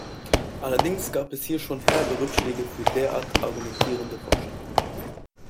Allerdings gab es hier schon herbe Rückschläge für derart argumentierende Forscher.